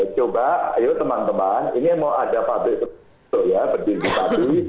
coba ayo teman teman ini mau ada pabrik itu ya berdiri di pati